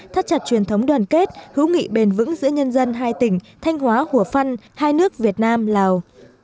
thắt chặt truyền thống đoàn kết hữu nghị bền vững giữa nhân dân hai tỉnh thanh hóa hủa phăn hai nước việt nam lào